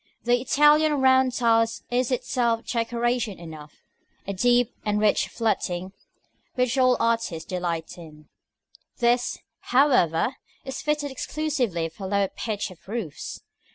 The Italian round tile is itself decoration enough, a deep and rich fluting, which all artists delight in; this, however, is fitted exclusively for low pitch of roofs.